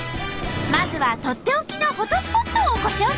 まずはとっておきのフォトスポットをご紹介。